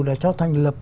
đã cho thành lập